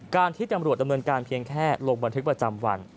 ที่ตำรวจดำเนินการเพียงแค่ลงบันทึกประจำวัน